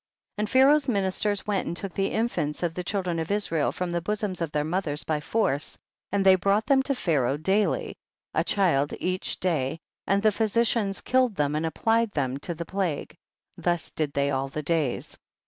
31. And Pharaoh's ministers went and took the infants of the children of Israel from the bosoms of their mothers by force, and they brought them to Pharaoh daily, a child each day, and the physicians killed them and applied them* to the plague ; thus did they all the days.